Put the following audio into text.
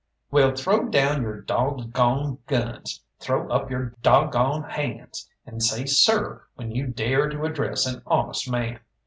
"Wall, throw down your dog goned guns, throw up your dog goned hands, and say 'Sir' when you dare to address an honest man.